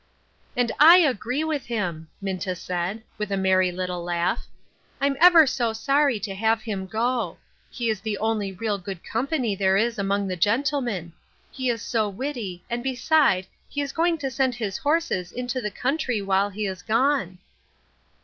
" And I agree with him," Minta said, with a merry little laugh. u I'm ever so sorry to have him go ; he is the only real good company there is among the gentlemen ; he is so witty, and beside, he is going to send his horses into the country while he is gone."